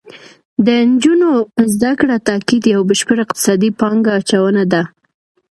د نجونو په زده کړه تاکید یو بشپړ اقتصادي پانګه اچونه ده